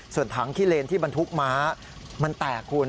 ส่วนถังขี้เลนที่บรรทุกม้ามันแตกคุณ